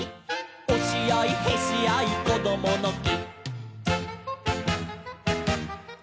「おしあいへしあいこどものき」